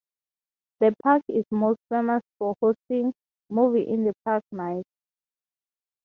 The park is most famous for hosting "Movie In The Park" nights.